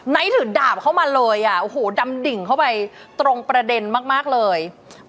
ถือดาบเข้ามาเลยอ่ะโอ้โหดำดิ่งเข้าไปตรงประเด็นมากเลย